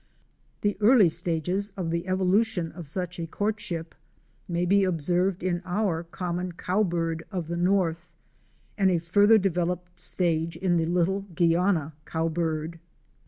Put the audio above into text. The early stages in the evolution of such a courtship may be observed in our common Cowbird of the north, and a further developed stage in the little Guiana Cowbird.